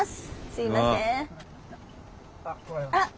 すいません。